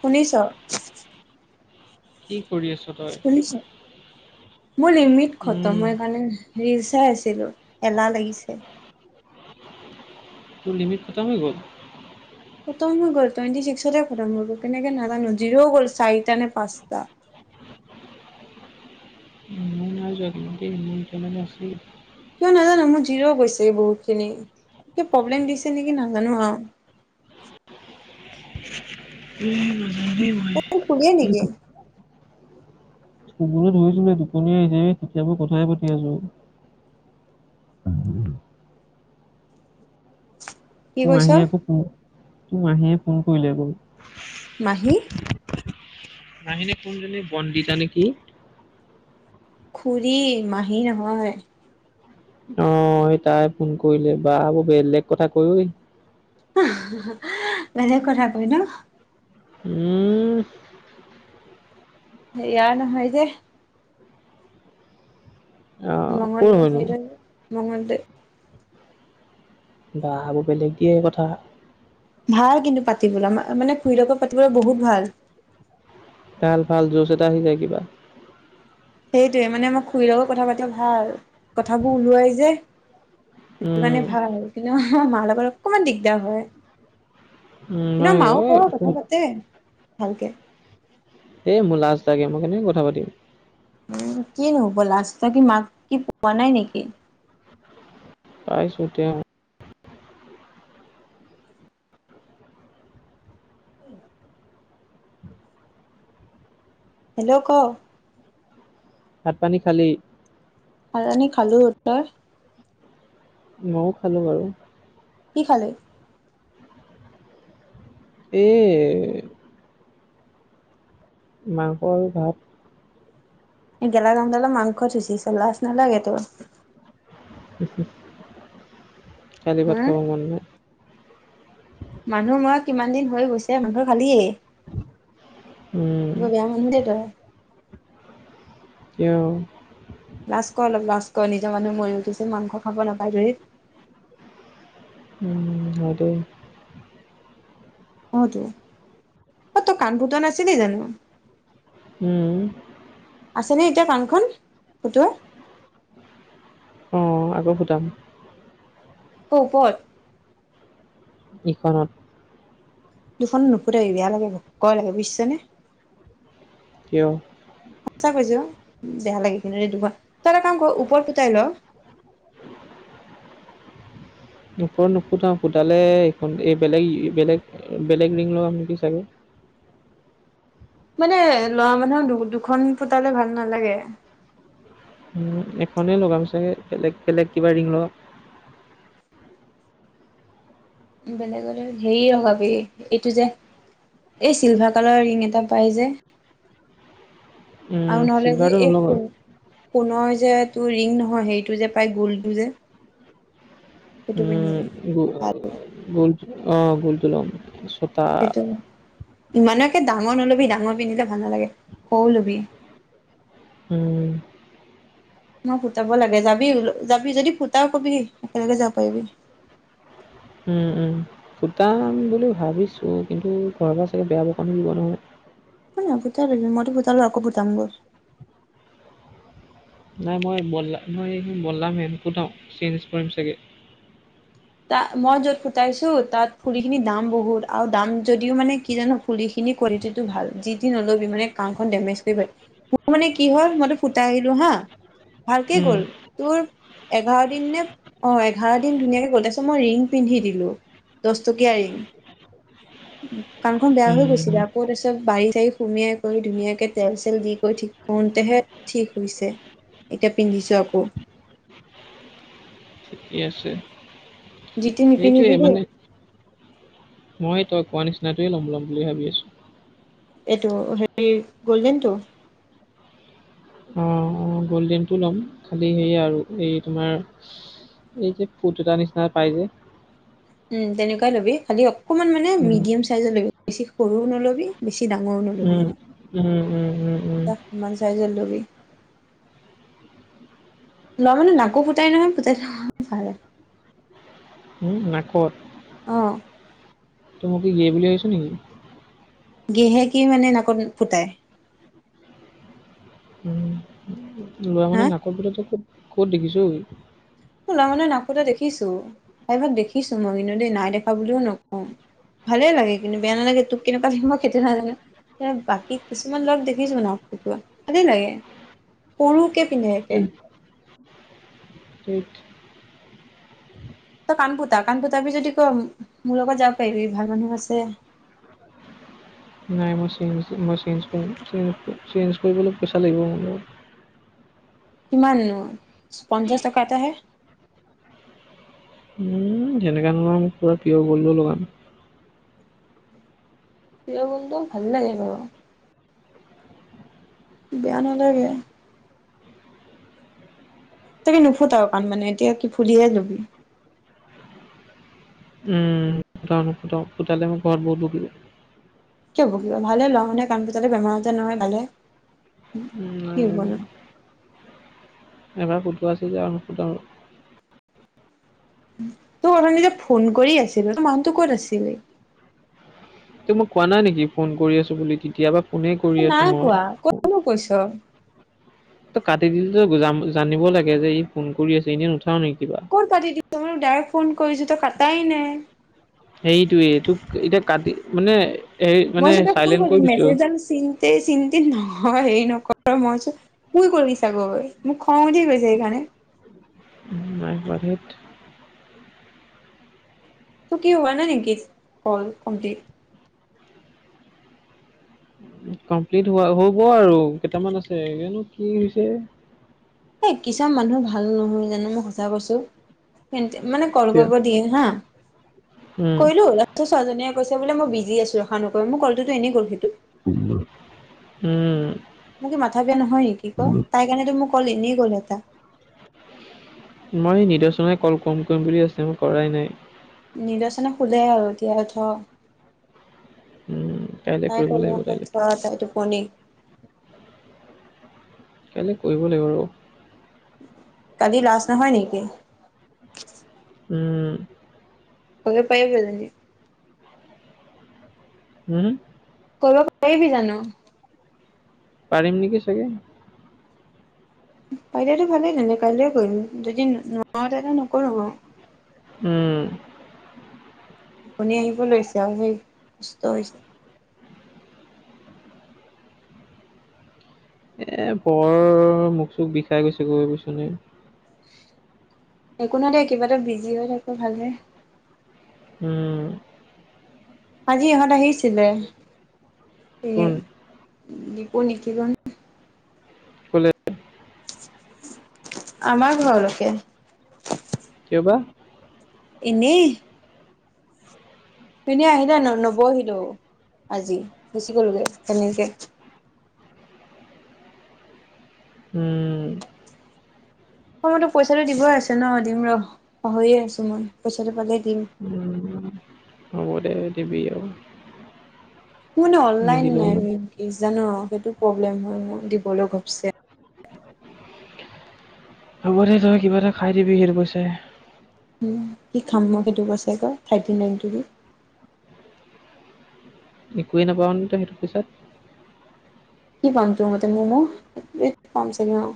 শুনিছ? কি কৰি আছ তই? শুনিছ, মোৰ লিমিট খতম উম, [unintelligible] ৰিলচাই আছিলোঁ, এলাহ লাগিছে। তোৰ লিমিট খতম হৈ গ'ল! খতম হৈ গ'ল, টুৱেণ্টি ছিক্সতে খতম হৈ গ'ল, কেনেকে নাজানো। জিৰ' গ'ল চাৰিটা নে পাঁচটা। [inaudible] কিয় নাজানো, মোৰ জিৰ' গৈছে বহুত খিনি। কি প্ৰব্লেম দিছে নেকি নাজানো আৰু [inaudible] তই কি শুলিয়ে এই নেকি? শুবলৈ ধৰিছিলোৱে, টোপনীয়ে আহিছে, এই তেতিয়াপা কথাই পাতি আছোঁ। কি কৈছ মামীয়ে আকৌ ফোন, মামীয়ে ফোন কৰিলে আকৌ মাহী মাহীনে কোনজনী বন্দিতা নে কি? খুৰী, মাহী নহয়। অ', তাই ফোন কৰিলে, বা বৰ বেলেগ কথা কয়ঐ বেলেগ কথা কয় ন? উম ইয়াৰ নহয় যে অ' ক'ৰ মঙলদৈ হয়নো? চাইদৰ হয়, মঙলদৈ বা আৰু বেলেগ দিয়ে কথা ভাল কিন্তু পাতিবলৈ, মানে খুৰি লগত পাতিবলৈ বহুত ভাল। ভাল, ভাল, জোছ এটা আহি যায় কিবা সেইটোৱে মানে মোৰ খুৰীৰ লগত কথা পাতিবলে ভাল, কথাবোৰ ওলিৱাই যে সেইটো কাৰণে উম, ভাল, কিন্তু আমাৰ মাৰ লগত অকমান দিগদাৰ হয়। উম, কিন্তু মই আমাৰ মাও এ, কৰে, কথা পাতে ভালকে এ মোৰ লাজ লাগে, মই কেনেকে কথা পাতিম এ কিনো হ'ব, লাজ কি মাক কি পোৱা নাই নেকি? পাইছোঁ, তেওঁ [inaudible] হেল্ল' ক ভাত পানী খালি? ভাত পানী খালো, তই? ময়ো খালোঁ বাৰু কি খালি? এ মাংস আৰু ভাত গেলা গৰম ডালত মাংস থুচিছ লাজ নালাগে তোৰ খালি হা। ভাত খাব মন নাই মানুহ মৰা কিমান দিন হৈ গৈছে মাংস খালিয়েই উম, বেয়া [inaudible] তই তেওঁ লাজ ক অলপ লাজ ক নিজৰ মানুহ মৰি উঠিছে মাংস খাব নাপাই ধৰি আৰু অ তই কাণ ফুটোৱা নাছিলি জানো উওম আছেনে এতিয়া কাণখন ফুতুৱা অ আকৌ ফুতাম ক্ওপত ইখনত দুখনত নুফুতাবি বেয়া লাগে কয় লাগে বুজিছ নে কিয়? সঁচা কৈছো ও বেয়া লাগে কিনি দুখ তই এটা কাম কৰ ওপৰত ফুটাই ল ওপৰত নুফুটাওঁ ফুটালে এইখন এই বেলেগ বেলেগ বেলেগ ৰিং লগাম নেকি চাগে। মানে লৰা মানুহক দু দুখন ফুতালে ভাল নালাগে। উম এখনে লগাম ছাগে বেলেগ বেলেগ কিবা ৰিং লগাম বেলেগলৈ হেৰি লখাবি এইটো যে এই চিলভাৰ কালাৰৰ ৰিং এটা পাই যে উম, আৰু নহ'লে যে চিলভাৰটো এই নলগাওঁ সোণৰ যেটো ৰিং নহয় সেইটো যে পায় গ'লটো যে সেইটো উম পিন্ধিবি গো ভাল গো অ গোলটো লগাম সেইটো ইমানকে ডাঙৰ নল'বি ডাঙৰ পিন্ধিলে ভাল নালাগে সৰু লবি উম মই ফুটাব লাগে যাবি যাবি যদি ফুটাও কবি একেলগে যাব পাৰিবি উম উম ফুটাম বুলি ভাবিছোঁ কিন্তু ঘৰ পৰা [unintelligible] [unintelligible] নাই মই বলা মই এইখিনি বদলাম সেনকোঠাও চেঞ্জ কৰিম চাগে ত মই য'ত ফুটাইছো তাত ফুলি খিনি দাম বহুত আৰু দাম যদিও মানে কি জান পুলিখিনি কোৱালিটিটো ভাল যি দি নল'বি মানে কাখন ডেমেজ কৰি পেলাই মোৰ মানে কি হল মইতো ফুটাই আহিলো হা ভালকে উম, গ'ল তোৰ এঘাৰ দিন নে অ' এঘাৰ দিন ধুনীয়াকে গ'ল ত মই ৰিং পিন্ধি দিলো দহটকীয়া ৰিং উ কাণ খন বেয়া হৈ উম। গৈছিলে আকৌ চব বাৰি চাৰি সুমিয়াই কৰি ধুনীয়াকে তেল চল দি কৰি ঠিক কৰোতেহে ঠিক হৈছে এতিয়া পিন্ধিছো আকৌ ঠিকে আছে যিটো সেইটোৱে নিপিন্ধিবি দেই মানে মই তই কোৱা নিচিনা টোৱে লম ল'ম বুলি ভাবি আছো এইটো হেৰি গ'ল্ডেনটো উম অ' গ'ল্ডেনটো ল'ম খালী সেয়ে আৰু এই তোমাৰ এই যে ফুত এটা নিচনা পাইজে উম তেনেকুৱাই ল'বি খালি অকণমান মানে উম, মিডিয়াম চাইজৰ ল'বি বেছি সৰু নল'বি বেছি ডাঙৰো নল'বি, উম, উম, উম, উম, উম, এটা সমান চাইজৰ ল'বি লৰা মানু্হ নাকো পুটাই নহয় পুটাই থলে ভালে নাকত অ',। তই মোক কি গে বুলি ভাবিছঁ নেকি? গেহে কি মানে নাকত ফুটাই উম', লৰা হা মানুহে নাকত ফুটোৱা ক'ত- ক'ত দেখিছ ঐ? লৰা মানুহে নাক ফুটোৱা দেখিছো, প্ৰাইভাগ দেখিছো মই কিন্তু দেই নাই দেখা বুলিও নকওঁ। ভালে লাগে কিন্তু বেয়া নালাগে তোক কেনেকুৱা লাগে মই খেটো নাজানো। বাকী কিছুমান ল'ৰাক দেখিছো নাক ফুটোৱা, ভাল লাগে সৰুকে পিন্ধে একে। ধেৎ তই কাণফুতা কাণফুতাবি যদি ক' মোৰ লগত যাব পাৰিবি, ভাল মানুহ আছে। নাই মই চেঞ্জ মই চেঞ্জ কৰিম, চেঞজ চেঞ্জ কৰিবলৈ পইচা লাগিব মোৰ। কিমাননো পঞ্চাশ টকা এটা হে। উম', যেনেকা নহয় মোক পুৰা পিয়ৰ গোল্ডৰ লগাম। পিয়ৰ গোল্ডটো ভাল লাগে বাৰু। বেয়া নালাগে। তাকে নুফুটা কণ মানে, এতিয়া কি ফুলহে লবি। উম',। নুফুতাও নুফুটাও ফুতালে মোক ঘৰত বহুত বকিব। কিয় বকিব ভালেহে ল'ৰা মানুহে কাণ ফুটালে বেমাৰ আজাৰ নহয়, ভালেহে কি হ'ব নু। এবাৰ ফুটোৱা আছে যে নুফুতাও আৰু। তোক অথনি যে ফোন কৰি আছিলো, তোৰ মানুহতটো ক'ত আছিলি? তোক মই কোৱা নাই নেকি ফোন কৰি আছো বুলি কেতিয়াবা নাই কোৱা কতনো কৈছ। তই কাটি দিলি জানিব লাগে, যে ই' ফোন কৰি আছে এনেই নুথাও নেকি কিবা। কত কাটি দিছ মই ডাইৰেক্ট ফোন কৰিছো, তই কটাই নাই। হেৰিটয়ে তোক এতিয়া কাটি মানে হে মানে চাইলেণ্ট কৰি দিছো আৰু। [inaudible] এই চিন-তিন নহয়, হেৰি নকৰ মই চুন খুই গলি চাগৈ। মোৰ খংঙ উঠি গৈছে সেইকাৰণে। নাই খোৱা ধেত। তোৰ কি হোৱা নাই নেকি? হ'ল কমপ্লিট। কমপ্লিট হোৱা হ'ব আৰু কেইটামান আছে জানো কি হৈছে। এ' কিছুমান মানুহ ভাল নহয় জানো মই সঁচা কৈছো। মানে কল এতিয়া কৰিব দিয়ে হা, উম কৰিলোঁ ছোৱালী জনীয়ে কৈছে বোলে মই বিজি আছো, ৰখা নকৈ মোৰ কলটো এনে গল সেইটো। উম',। মোৰ কি মাথা বিয়া নহয় নেকি ক'? তাই কাৰণেতো মোৰ কল এনেই গল এটা। মই নিৰ্দৰ্শনে কল কম কৰিম বুলি আছে মই কৰাই নাই। নিৰ্দৰ্শনে খোলে আৰু এতিয়া থ'। উম কাইলৈ তাই কৰিব লাগিব কাইলৈ এতিয়া ধৰটে টোপনি কাইলৈ কৰিব লাগিব আৰু। কালি লাষ্ট নহয় নেকি? উম',। [unintelligible] উম কৰিব পাৰিবি জানো? পাৰিম নেকি চাগে পাৰি যদি ভালেই কলিলে কৰিম যদি নোৱাৰে তেনে নকৰো মই। উম টোপনি আহিব লৈছে আৰু সেই কষ্ট হৈছে। পৰ মুখ চুখ বিষাই গৈছে [unintelligible] একো দে কিবা এটা বিজি হৈ থাকো ভালে। উম আজি ইহঁত আহিছিলে এই কোন দপু [unintelligible] কলে আমাৰ ঘৰলৈকে। কিয়বা এনেই এনেয় আহিলে নৱ খুৰীদেউ আজি গুচি গলোগে তেনেকে উম মইতো পইচাটো দিবই আছে ন দিম ৰ আছো মই পইচাটো পালেই দিম। উ হ'ব দে দিবি আৰু। মোৰ অনলাইন নিদিলেও ন নাই জানো সেইটো প্ৰব্লেম হয় মোক দিবলৈ ঘপচে হব দে তই কিবা এটা খাই দিবি খেইটো পইচা। কি খাম মই সেইটো পইচাৰে আ কৌ থাৰ্টি নাইন ট একোৱে নাপাওঁ নে ত সেইটো পইছাত? কি পাম তো মতে ম'ম' এই পাম চাগে অ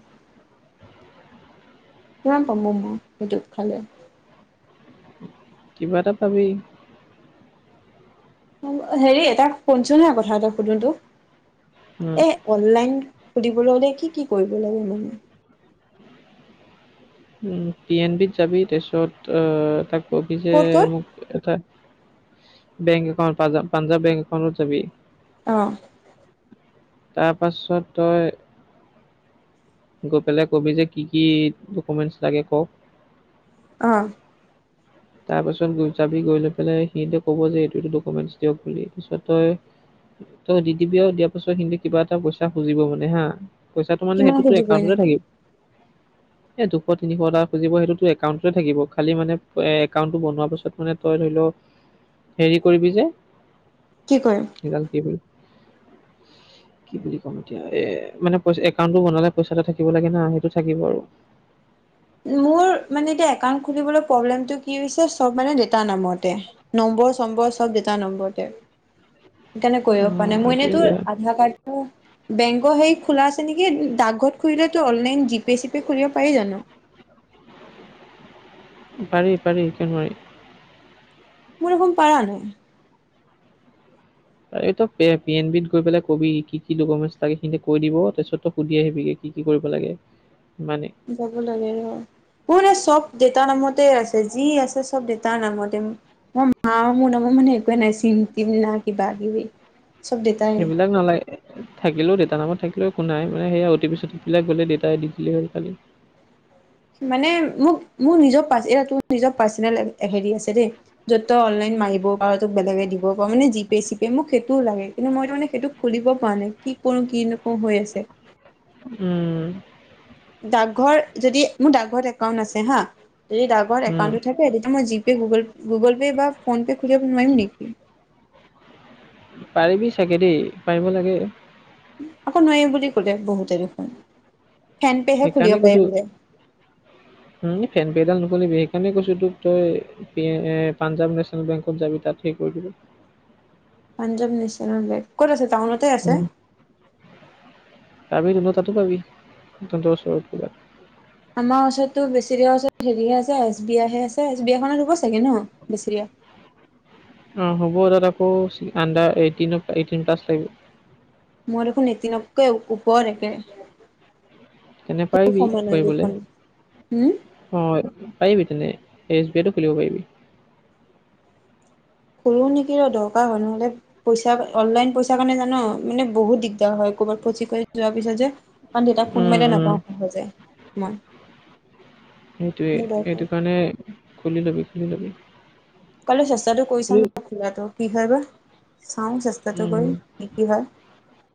কিমান পাম মই সেইটো খালে কিবা এটা পাবি। হেৰি এটা শুনছো ন কথা এটা সুধো উম, তোক অনলাইন সধিবলৈ হ'লে কি কি কৰিব লাগে পি এন বি ত যাবি তাৰপিছত তাক কবি যে ক'ত ক'ত মোক এটা বেংক একাউণ্ট পাঞ্জাব বেংক একাউণ্টত যাবি অঁ তাৰপাছত তই গৈ পেলাই কবি যে কি কি ডকুমেন্টছ লাগে কওক অ তাৰ পাছত লৈ যাবি লৈ পেলাই, সিহঁতে ক'ব গৈ এইটো ডকুমেণ্টচ দিয়ক বুলি পিছতে। তই দি দিবিও দিয়াৰ পিছত, সিহঁতে কিবা এটা প ইচা খুজিব মানে হা। পইচাটো মানে কিমান সেইটোতো খুজিব এনে একাউণ্টতে থাকিব। এই দুশ তিনিশটা খুজিব সেইতো তোৰ একাউণ্টত থাকিব, খালি মানে। এ একাউণ্টটো বন্ধ হোৱাৰ পাছত মানে তই ধৰি লও, হেৰি কৰিব যে। কি কৰিম। কি দাল কৰিবি। [unintelligible] কি বুলি ক'ম এতিয়া, এ' মানে পইচা একাউণ্টটো বনালে পইচা এটা থাকিব লাগে না সেইটো থাকিব আৰু। উম, মোৰ মানে, এতিয়া একাউন্ট খুলিবলৈ প্ৰব্লেমটো কি হৈছে, ছ'ব মানে দেউতাৰ নামতে। নম্বৰ চম্বৰ চ'ব দেতা নম্বৰতে। সেইকাৰনে কৰিব পৰা নাই, অ' মই এনেই এইটোৱে তোৰ বেয়া আধাৰ কাৰ্ডটো বেংকৰ হেইত খোলা আছে নেকি? ডাকঘৰত খুলিলেটো অনলাইন জিপে- চিপে খুলিব পাৰি জানো? পাৰি পাৰি কিয় নোৱাৰি। মোৰ দেখোন পাৰা নাই। এই তই পি পি এন বিত গৈ পেলাই কবি কি কি ডকুমেণ্টছ লাগে সিঁহতে কৈ দিব তাৰ পিছত তই সুধি আহিবি গে কি কি কৰিব লাগে মানে যাব লাগিব। মোৰ মানে চব দেউতাৰ নামতে আছে, যি আছে চব দেউতাৰ নামতে মোৰ মা মোৰ নামত মানে একোৱে নাই, চিম - তিম না কিবা - কিবি। চব দেউতাৰে। সেইবিলাক নালাগে। থাকিলেও দেউতাৰ নামত থাকিলে একো নাই মানে সেইয়া অ টি পি, চ টি পিবিলাক গ'লে দেউতাই দি দিলে হ'ল খালি। মানে মোক মোৰ নিজৰ পাচ ইয়াৰটো নিজৰ পাৰ্চনেল এ হেৰি আছে দেই যত - তত অনলাইন মাৰিব পাৰো, তোৰ বেলেগে দিব পাৰো মানে জি পে' - চি‌‌ পে মোক সেইটো লাগে কিন্তু মই তোৰ মানে সেইটোক খুলিব পৰা নাই, কি কৰো কি নকৰো হৈ আছে? উম। ডাকঘৰ যদি মোৰ ডাকঘৰত একাউন্ট আছে হা। যদি ডাকঘৰত উম, একাউণ্টটো থাক এই যদি মই G pay, Google Google pay বা ফোন পে' খুলিব নোৱাৰিম নেকি? পাৰিবি চাগে দেই, পাৰিব লাগে। আকৌ নোৱাৰে বুলি ক'লে বহুতে দেখোন। ফেন পেহে খুলিব সেইকাৰণে পাৰি ক'লো। বোলে [inaudible] উম, ফেন‌ পেডাল নুখুলিবি সেই কাৰণে কৈছো তোক তই সেইহে পাঞ্জাৱ নেচনেল বেংকত যাবি তাত সেই কৰি দিব। পাঞ্জাৱ নেশ্যনেল বেংক, ক'ত আছে টাউনতে আছে? উম, পাবি তহঁতে তাতে পাবি, তহঁতৰ ওচৰত কিবাত। আমাৰ ওচৰতো বেছেৰীয়া আছে, হেৰিহে আছে এচ বি আই হে আছে, এচ বি আইখনে লব চাগে ন বেছেৰীয়া? অ' হ'ব তাত আকৌ চি আণ্ডাৰ এইটিনৰ পৰা এইটিন প্লাছ লাগিব। মোৰ দেখোন এইটিনতকৈ ও ওপৰ [unintelligible] তেনে পাৰিবি [unintelligible] উম। অ' পাৰিবি তেনে, এছ বি আইটো খুলিব পাৰিবি। সৰু নিকি ৰ দৰকাৰ হ'ল নহলে পইচা অনলাইন পইচা কাৰণে জান মানে বহুত দিগদাৰ হয়। ক'ৰবাত ফচি কৰি যোৱাৰ পিছত যে কাৰণ দেউতাক ফোন উম, মাৰিলে উম, নাপাওঁ সহজে ইমান। সেইটোৱে, সেইটো কাৰণে খুলি ল'বি খুলি ল'বি। ক'লে চেষ্টাটো কৰি খুলি চাম খোলাটো কি হয় বা? চাওঁ চেষ্টাটো কৰি উম, কি কি হয়।